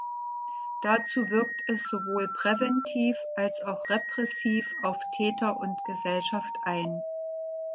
Dazu wirkt es sowohl präventiv als auch repressiv auf Täter und Gesellschaft ein.